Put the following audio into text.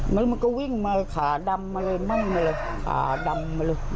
แล้วมันก็วิ่งมาขาดำมาเลยนั่งมาเลยขาดำมาเลย